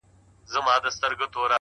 هغه خو زما کره په شپه راغلې نه ده!